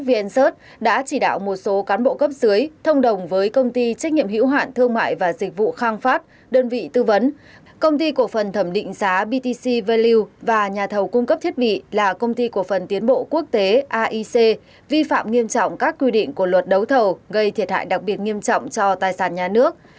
vnsearch đã chỉ đạo một số cán bộ cấp dưới thông đồng với công ty trách nhiệm hiểu hoạn thương mại và dịch vụ khang pháp đơn vị tư vấn công ty cổ phần thẩm định giá btc value và nhà thầu cung cấp thiết bị là công ty cổ phần tiến bộ quốc tế aic vi phạm nghiêm trọng các quy định của luật đấu thầu gây thiệt hại đặc biệt nghiêm trọng cho tài sản nhà nước